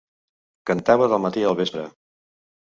Cantava del matí al vespre